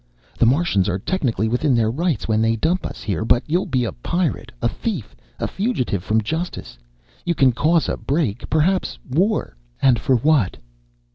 The Martians are technically within their rights when they dump us here, but you'll be a pirate, a thief, a fugitive from justice. You can cause a break, perhaps war. And for what?"